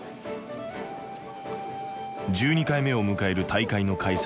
１２回目を迎える大会の開催地